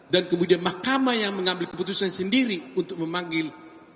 dan kemudian mahkamah yang mengambil keputusan sendiri untuk memanggil